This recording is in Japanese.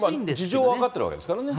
事情は分かってるわけですからね。